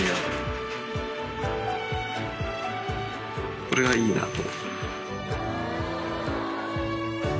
これがいいなと。